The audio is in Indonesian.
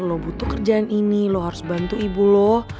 lo butuh kerjaan ini lo harus bantu ibu lo